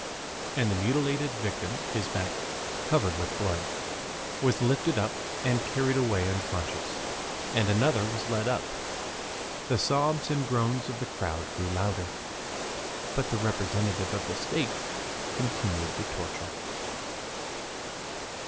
And the mutilated victim, his back covered with blood, was lifted up and carried away unconscious, and another was led up. The sobs and groans of the crowd grew louder. But the representative of the state continued the torture.